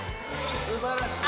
すばらしい！